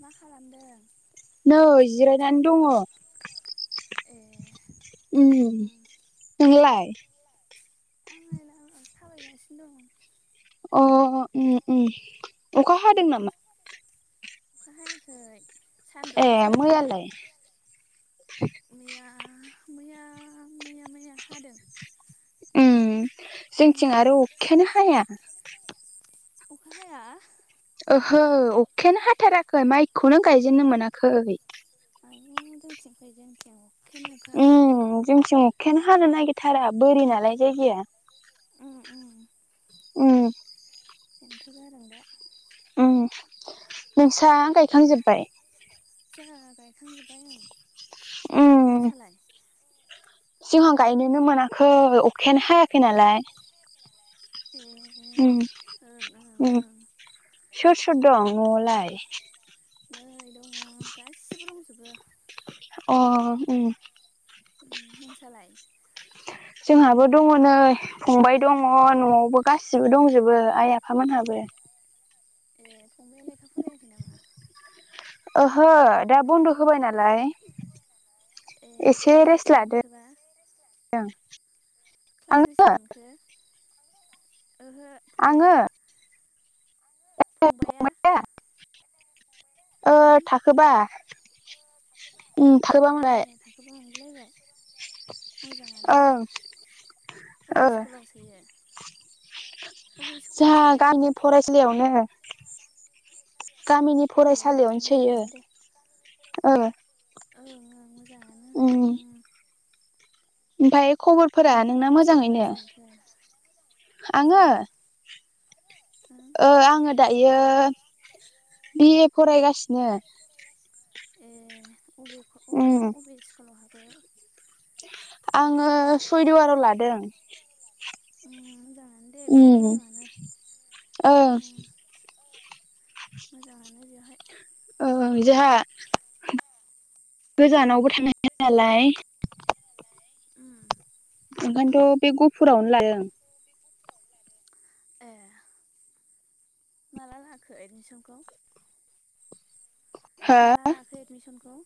मा खालामदों नै जिरायनानै दङ। ए उम नोंलाय? आंलाय लामा थाबायगासिनो दं। अ ओम ओम अखा हादों उम नामा? अखा हायाखै ए सान्दुंसो दिनै। मैयालाय मैया मैया मैया मैया हादों। उम जोंथिं ओम आरो अखायानो हाया अखा हाया। ओहो अखायानो हाथाराखै माइखौनो गायजेननो मोनाखै। आयु जोंनिथिं फै जोंनिथिं अखायानो अखा। उम जोंथिं अखायानो हानो नागिरथारा बोरि नालाय जायगाया। उम उम। उम। बेनोथ' जादों दा। ओम नोंसा गायखांजोब्बाय? जोंहा गायखां जोबबाय ओं उम नोंसालाय? जोंहा गायनोनो मोनाखै अखायानो हायाखै नालाय। उम ए ओं ओं उम ओं। सोर सोर दं न'आवलाय? नै दङ गासिबो दंजोबो। अ ओम। उम नोंसालाय? जोंहाबो दङ नै। फंबाय दङ न'आवबो गासिबो दंजोबो आइ आफामोनहाबो। ए फंबाइ आ लेखाफरायाखै नामा? ओहो दा बन्द' होबाय नालाय। ए एसे कलास रेस्ट बेसेबां लादों मोनखोबा? [unintelligible] आं क्लास बेसे मोनखो? आंड़ो ओहो आङो फंबाया फंबाया? ओ ओं थाखोबा। उम थाखोबा मोनलाय ए थाखोबा मोनगुलायबाय। मोजाङानो दे ओं ओ अबे स्कुलाव सोयो? अबे स्कुलाव जोंहा सोयो गामिनि फरायसालियावनो, गामिनि ए फरायसालियावनो सोयो मोजाङानो दे ओं ओं ओं मोजाङानो उम ओमफाय खबर नोंहालाय बेसेबां क्लास मोनखो मोजां आङो आं ओ आङो दायो बि ए फरायगासिनो ए अबे क अबे उम आव अबे स्कुलाव हाबो आङो सयदवाराव लादों उम मोजाङानो दे बेयाव उम मोजाङानो ओं मोजाङानो बेवहाय ओं जोंहा गोजानावबो थांनो हाया नालाय हाया नालाय उम ओंखायनोथ' बे गहफुरावनो लादों ए माला लाखो एडमिसनखौ हो माला लाखो एडमिसनखौ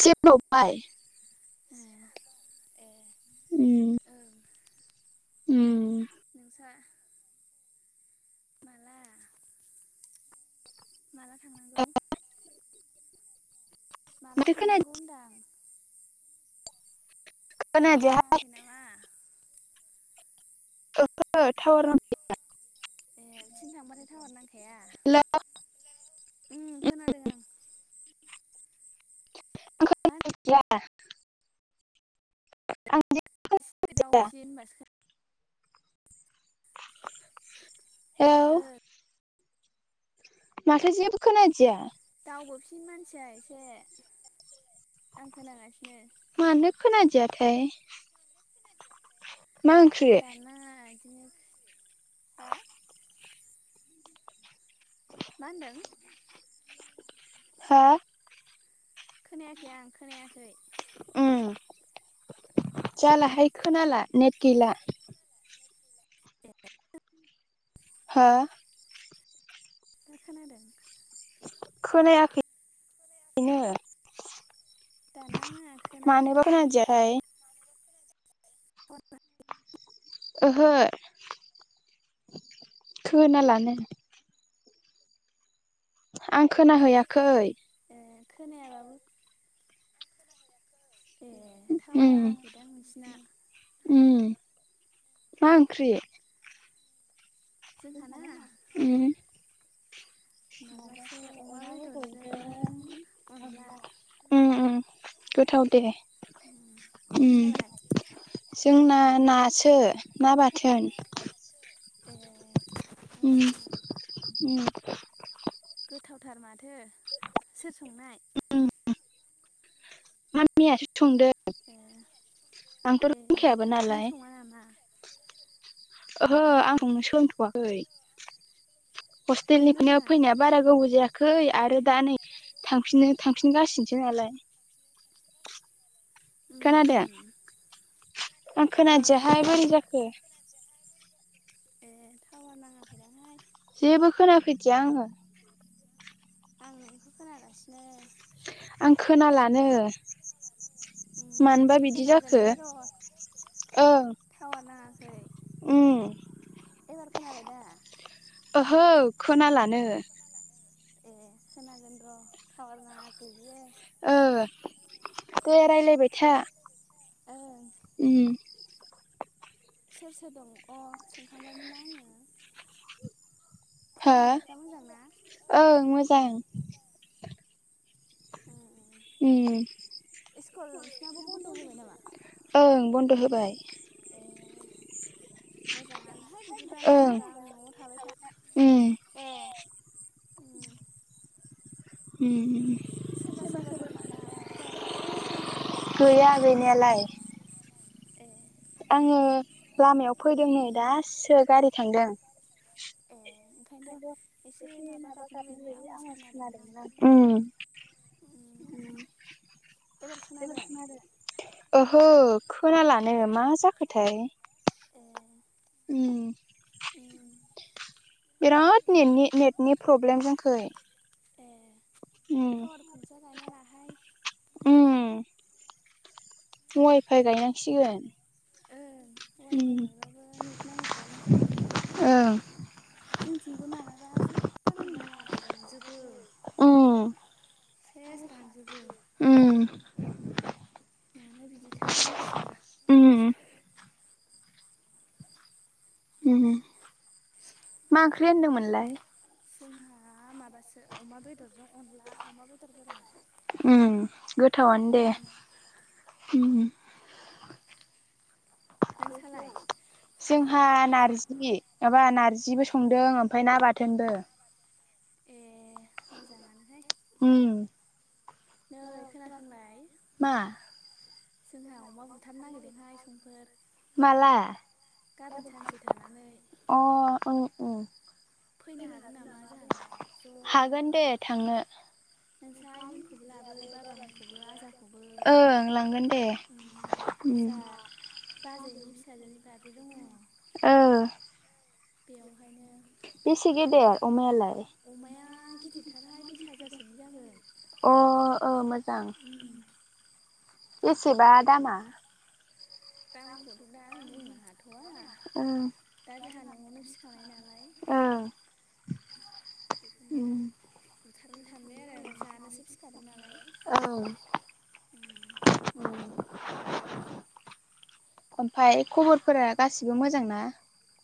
एसे बाव बाय ए ए उम ओं उम नोंसा माला माला थांनांगौ माला माथो थांनांगौ खोनादिया होनदां टावार खोनादियाहाय नाङाखै नामा? ओहो टावार ए बिथिं थांबाथाइ टावार नांखाया हेलौ उम खोनादों आं मा [inaudible] आं जेबो दावसिन होनबासो खो हेलौ ओ माथो जेबो खोनादिया दावबोफिन मानसिया एसे आं खोनागासिनो। मानो खोनादिया थाय मा ओंख्रि? दानाङा इदिनो हा मा होनदों? हा? खोनायाखै आं खोनायाखै। उम जाला हाय खोनाला नेट गैला। हो दा खोनादों? खोनायाखै नो। मानोबा खोनादिया थाय। मानोबा गोनादिया ओहो खोनालानो। आं खोनाहैयाखै। ए खोनायाबाबो ए टावार उम नाङाखैदां नोंसिना। उम मा ओंख्रि? जोंहाना उम माबासो अमा बेदरजों अनला। उम उम गोथाव दे। ओम उम नोंसालाय? जोंना नासो ना बाथोन। ए उम उम गोथावथार माथो सोर संनाय? मामियासो संदो। ए ए नों नालाय सङा नामा? ओहो ए आं संनो सोंलोंथ'वाखै नों हस्टेलनिफ्रायनो रोङा फैनाय बारा गोबौ‌ जायाखै आरो दा नै थांफिनो थांफिनगासिनोसो नालाय। उम खोनादों उम आं ओं खोनादिया हाय खोनादों बोरै जाखो? ए टावार नाङाखैदांहाय। जेबो खोनाफैदिया आङो। आं नोंखौ खोनागासिनो। आं खोनालानो। उम मानोबा बिदि खानागोन जाखो बे र' ओं टावा नाङाखै। उम। एबार खोनाबाय दा? ओहो खोनालानो। ए खोनागोन र' थावार नाङाखै बेयो। ओ दे रायलायबाय था। ओं। उम। सोर सोर दं अ सोंखांबायमोनना आङो। हो फरायनायफ्रा मोजां ना? ओं मोजां। उम उम उम इस्कुल नोंसिनाबो बन्द' होबाय नामा? ओं बन्द' होबाय। ए मोजाङानोहाय बिदिबाना ओं आदा न'आव थाबाय था। उम ए उम उम सोरबा सोरबा दं नामा माथो दावराव खोनाथारदों? गैया गैनायालाय। ए आङो लामायाव फैदों नै दासो गारि थांदों। ए ओंखायनथ' एसे माबा गाबनाय बायदि आवाज खोनादोंमोन आं। उम एबार खोनादों? ओहो खोनालानो मा जाखोथाय ए उम उम बेराद नेटनि नेटनि प्रब्लेम जोंखै। ए उम टावार खुन्थिया गायना लाहाय। उम वाइफाइ गायनांसिगोन। ओं वाइफाइ उम गायबाबो नेट नाङो दा मोजां नो। ओं जोंथिंबो मालाबा जेब्बो नुवा दानजोबो उम सेस दानजोबो उम मानो बिदिथाइ मिन्थिया। उम उम मा ओंख्रि होन्दोंमोनलाय? जोंहा माबासो अमा बेदरजों अनला अमा बेदर गोरान। उम गोथावानो दे उम उम। नोंसालाय? जोंहा नार्जि एबा नार्जिबो संदों ओमफाय ना बाथोनबो। ए मोजाङानोहाय उम नै खोनासंलाय मा? जोंहा अमा बुथानो नागिरदोंहाय संफोर। माला गाबोन सानसे थानानै अ औ औ। फैनो हागोन नामा जोंहानाव नामा [unintelligible] ज'नो हागोन दे थांनो। नोंसा आइमोनखौबो लाबो बाबामोनखौबो आजाखौबो ओं लांगोन दे। उम उम जा बाजैनि फिसाजोनि बार्डे दङ। ओ बेयावहायनो बेसे गेदेर अमायालाय? अमाया गिदिदथारहाय बिस हाजारसोनि जागोन। अ ओ मोजां। उम बेसेबा दामा? दामखथ' दा आं बुंनो हाथ'वा ओं दा जाहा न'आवनो फिखानाय नालाय ओं बेखौनो उम बुथारनो सानबाय आरो जानोसो फिखादों नालाय। ओं। उम उम खमफाय खबरफोरा गासिबो मोजां ना?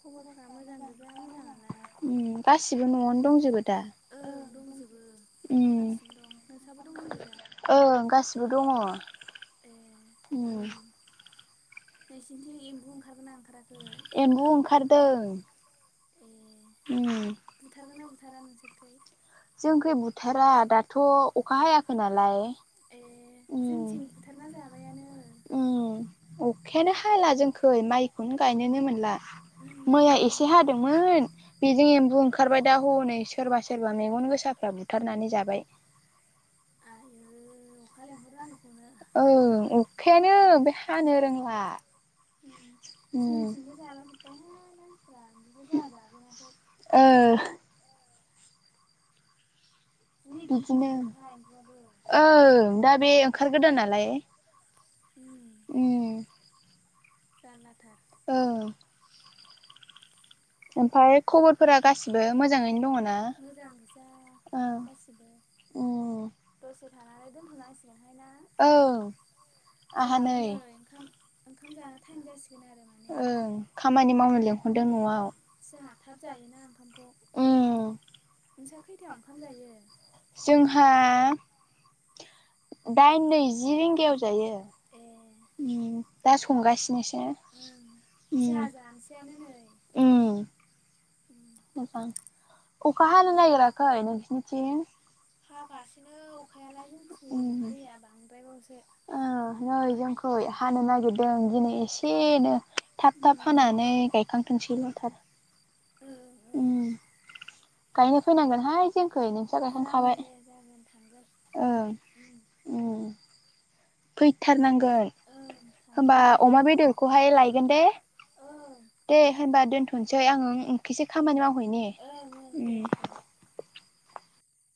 खबरफ्रा मोजां गोजा मोजाङालाय। उम गासिबो न'आवनो दंजोबो दा? ओं दंजोबो उम गासिबो दं। नोंसाबो दंजोबो दा? ओं गासिबो दङ। ए उम ओं। नोंसिनिथिं एम्बु ओंखारगोना ओंखाराखै ए। एम्बु ओंखारदों उम बुथारगोन ना बुथारा नोंसोरखै? जोंखै बुथारा दाथ' अखा हायाखै नालाय। ए उम जोंथिं बुथारना जाबायानो। उम अखायानो हाला जोंखै माइखौनो गायनोनो मोनला। मैया उम एसे हादोंमोन। बेजों एम्बु ओंखारबाय दा हनै सोरबा सोरबा मेगन गोसाफ्रा बुथारनानै जाबाय। आयै अखा लेंहर नांगौखौनो। ओं अखायानो बे हानो रोंला ओम। बे जाला जोब्बायहाय मानसिफ्रा एम्बुखौ जोंहा जाजेनाखै। ओ। जि गिदिर बिदिनो गिदिरखाय एम्बुआबो। ओं दा बे ओंखार गोदान नालाय। उम। उम। जारलाथार। औ। ओमफ्राय खबरफोरा गासिबो मोजाङैनो दङ ना? मोजां गोजा गासैबो। उम दसे थानानै दोनथ'नांसिगोनहाय ना? औ। जोंहाबो नै ओंखाम ओंखाम जानो टाइम जासिगोन आरो माने। ओं खामानि मावनो लिं ओम जाहा थाब जायो ना ओंखामखौ। उम नोंसा खैथायाव ओंखाम जायो? जोंहा दाइन नैजि रिंगायाव जायो। ए। ओम दा संगासिनोसो। ओम उम जाहा जानोसैयानो नै। उम मोजां अखा हानो नागिराखै नोंसिनिथिं? हागासिनो अखायालाय जों थिं दैया बांद्रायबावसो। ओ नै जोंखै हानो नागिरदों दिनै एसेनो थाब थाब उम हानानै गायखां थौंसैल' थाब। ओं उम ओं। गायनो फैनांगोन हाय जोंखै नों जागोन दे जागोन थांगोन ओं ओम। उम फैथारनांगोन ओं होमबा थांगोन दे अमा बेदरखौहाय लायगोन दे। ओं। दे होनबा दोनथ'नोसै आङो खायसे खामानि मावहैनि ओं उम ओं दे दे उम।